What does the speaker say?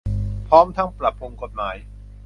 พร้อมทั้งปรับปรุงกฎหมาย